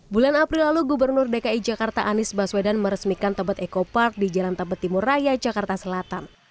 bulan april lalu gubernur dki jakarta anies baswedan meresmikan tebet eco park di jalan tebet timur raya jakarta selatan